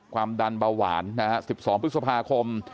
ความดันเบาหวานนะครับสิบสองพฤษภาคม